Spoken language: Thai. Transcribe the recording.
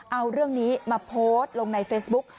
เอาเรื่องนี้มาโพสต์ลงในเฟซบุ๊ก